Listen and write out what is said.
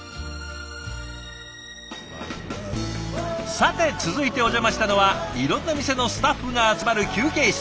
さて続いてお邪魔したのはいろんな店のスタッフが集まる休憩室。